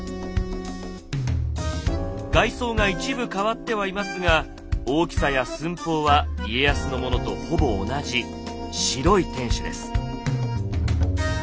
外装が一部変わってはいますが大きさや寸法は家康のものとほぼ同じ白い天守です。